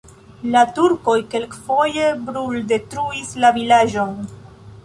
La turkoj kelkfoje bruldetruis la vilaĝon.